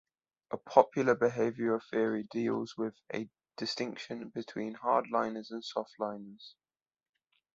A popular behavioral theory deals with a distinction between hard-liners and soft-liners.